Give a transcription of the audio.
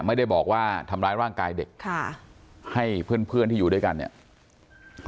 ไม่ได้บอกว่าทำร้ายร่างกายเด็กค่ะให้เพื่อนเพื่อนที่อยู่ด้วยกันเนี่ย